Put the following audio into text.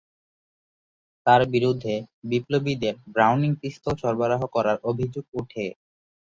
তাঁর বিরুদ্ধে বিপ্লবীদের ব্রাউনিং পিস্তল সরবরাহ করার অভিযোগ ওঠে।